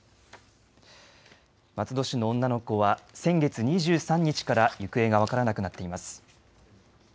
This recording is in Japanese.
松戸市の女の子は先月２３日から行方が分からなくなっています。